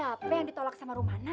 pak haji siapa yang ditolak sama rumana